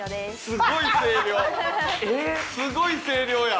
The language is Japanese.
すごい声量や。